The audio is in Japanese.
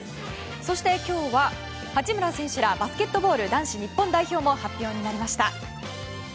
そして、今日は八村選手らバスケットボール男子日本代表も発表になりました。